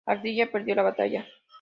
Ardila perdió la batalla.